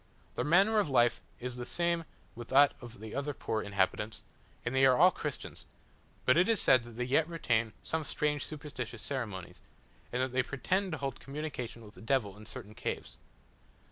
Their manner of life is the same with that of the other poor inhabitants, and they are all Christians; but it is said that they yet retain some strange superstitious ceremonies, and that they pretend to hold communication with the devil in certain caves.